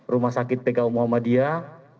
rumah sakit pku muhammadiyah